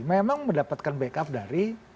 memang mendapatkan backup dari